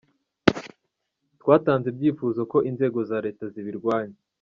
Twatanze ibyifuzo ko inzego za Leta zibirwanya.